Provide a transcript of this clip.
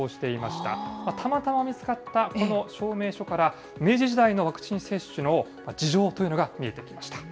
たまたま見つかったこの証明書から、明治時代のワクチン接種の事情というのが見えてきました。